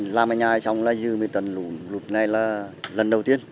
làm cái nhà xong là dư một mươi tầng lụt này là lần đầu tiên